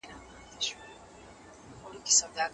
دولت او ملت باید اوږه په اوږه کار وکړي.